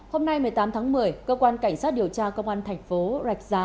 hôm nay một mươi tám tháng một mươi cơ quan cảnh sát điều tra công an thành phố rạch giá